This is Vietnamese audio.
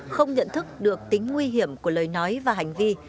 không nhận thức được tính nguy hiểm của lời nói và hành vi